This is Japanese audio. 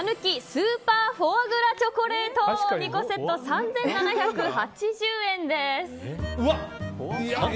スーパーフォアグラチョコレート２個セット３７８０円です。